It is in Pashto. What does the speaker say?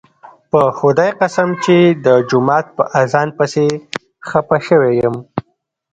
په خدای قسم چې د جومات په اذان پسې خپه شوی یم.